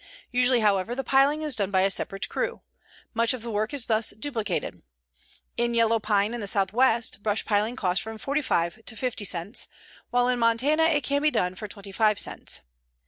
Usually, however, the piling is done by a separate crew. Much of the work is thus duplicated. In yellow pine in the Southwest, brush piling costs from 45 to 50 cents, while in Montana it can be done for 25 cents.